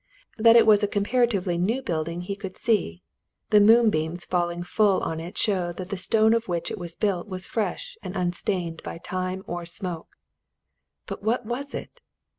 That it was a comparatively new building he could see; the moonbeams falling full on it showed that the stone of which it was built was fresh and unstained by time or smoke. But what was it?